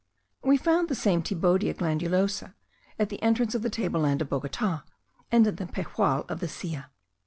We found the same Thibaudia glandulosa at the entrance of the table land of Bogota, and in the Pejual of the Silla.